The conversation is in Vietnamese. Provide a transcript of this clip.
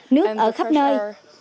nước ở khắp nơi